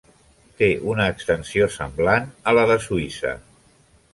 Té una extensió semblant a la de Suïssa.